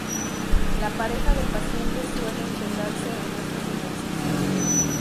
La pareja del paciente suele integrarse en estos ejercicios.